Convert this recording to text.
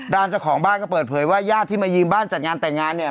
เจ้าของบ้านก็เปิดเผยว่าญาติที่มายืมบ้านจัดงานแต่งงานเนี่ย